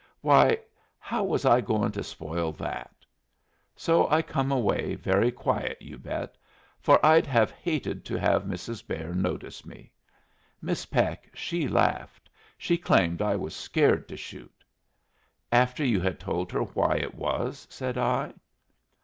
Why, how was I goin' to spoil that? So I come away, very quiet, you bet! for I'd have hated to have Mrs. Bear notice me. Miss Peck, she laughed. She claimed I was scared to shoot." "After you had told her why it was?" said I.